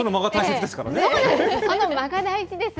あの間が大事です。